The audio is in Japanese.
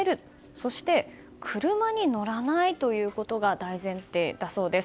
そして車に乗らないということが大前提だそうです。